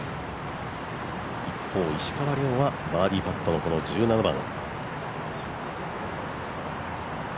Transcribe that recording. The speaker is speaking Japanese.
一方、石川遼はバーディーパットの１７番。